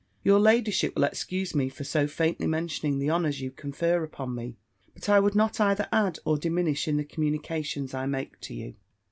Your ladyship will excuse me for so faintly mentioning the honours you confer upon me: but I would not either add or diminish in the communications I make to you.